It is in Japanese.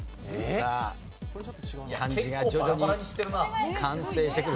さあ漢字が徐々に完成してくる。